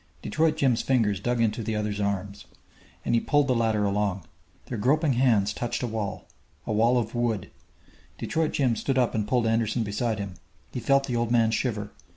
Detroit Jim's fingers dug into the other's arm, and he pulled the latter along. Their groping hands touched a wall a wall of wood. Detroit Jim stood up and pulled Anderson beside him. He felt the old man shiver.